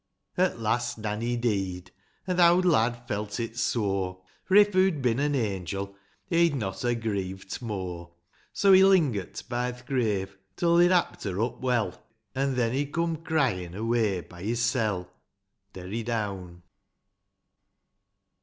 XIV. At last, Nanny dee'd ; an' th' owd lad felt it sore ; For, if hoo'd bin an angel, he'd not ha' grieve't more ; So, he linger't bi th' grave till they'd happed her up well ; An' then he coom cryin' away by his sel'. Derry down.